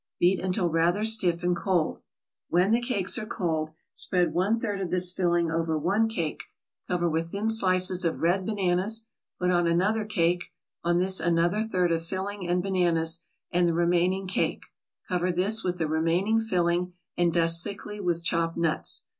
Beat until rather stiff and cold. When the cakes are cold, spread one third of this filling over one cake, cover with thin slices of red bananas, put on another cake, on this another third of filling and bananas, and the remaining cake; cover this with the remaining filling, and dust thickly with chopped nuts.